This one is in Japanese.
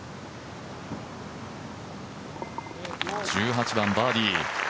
１８番バーディー。